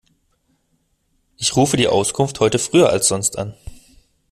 Ich rufe die Auskunft heute früher als sonst an.